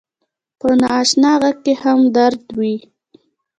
په ناآشنا غږ کې هم درد وي